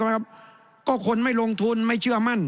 แสดงว่าความทุกข์มันไม่ได้ทุกข์เฉพาะชาวบ้านด้วยนะ